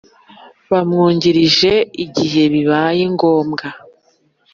bamwungirije igihe bibaye ngombwa